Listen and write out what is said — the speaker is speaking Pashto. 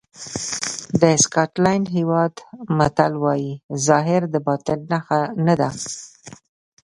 د سکاټلېنډ هېواد متل وایي ظاهر د باطن نښه نه ده.